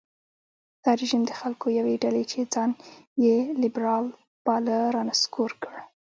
دا رژیم د خلکو یوې ډلې چې ځان یې لېبرال باله رانسکور کړ.